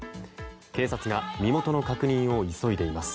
警察が身元の確認を急いでいます。